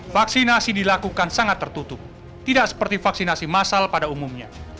vaksinasi dilakukan sangat tertutup tidak seperti vaksinasi massal pada umumnya